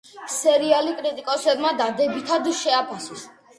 სერიალი კრიტიკოსებმა დადებითად შეაფასეს.